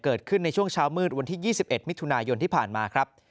เกิดขึ้นในช่วงเช้ามืดวันที่๒๑มิถุนายนที่ผ่านมาครับ